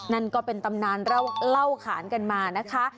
นั่นก็เป็นตำนานเล่าขานกันมานะคะ